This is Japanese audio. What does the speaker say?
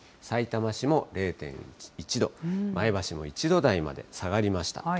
さいたま市も０．１度、前橋も１度台まで下がりました。